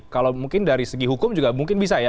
kalau mungkin dari segi hukum juga mungkin bisa ya